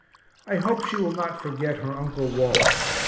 I hope she will not forget her Uncle Walt.